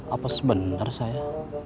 apa sebenar saya